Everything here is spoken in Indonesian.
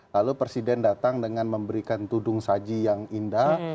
lalu presiden datang dengan memberikan tudung saji yang indah